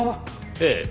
ええ。